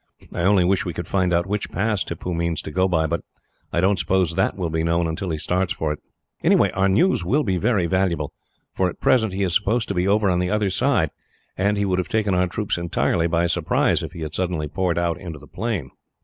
I only wish we could find out which pass Tippoo means to go by, but I don't suppose that will be known until he starts for it. Anyhow, our news will be very valuable, for at present he is supposed to be over on the other side, and he would have taken our troops entirely by surprise, if he had suddenly poured out onto the plain.